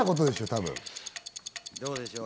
多分。